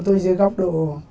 tôi dưới góc độ